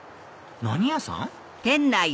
何屋さん？